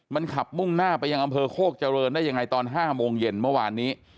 มันขับมุ่งหน้าไปยังอำเภอโคกเจริญได้ยังไงตอน๕โมงเย็นเมื่อวานนี้